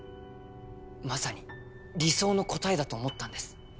まさに理想の答えだと思ったんです